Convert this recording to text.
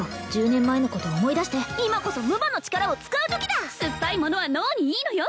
１０年前のことを思い出して今こそ夢魔の力を使うときだ酸っぱいものは脳にいいのよ